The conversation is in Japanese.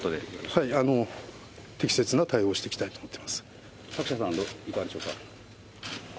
はい、適切な対応をしていきたいと思っています。